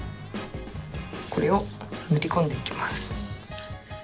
これを塗り込んでいきます。